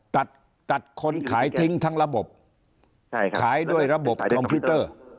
ตัดตัดคนขายทิ้งทั้งระบบขายด้วยระบบคอมพิวเตอร์